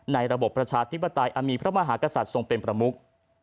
ระบบประชาธิปไตยอันมีพระมหากษัตริย์ทรงเป็นประมุก